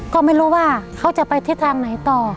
ก็ไม่รู้ว่าเขาจะไปทิศทางไหนต่อ